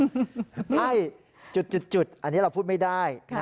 ให้จุดอันนี้เราพูดไม่ได้